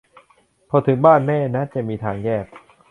พอถึงบ้านแม่นะจะมีทางแยก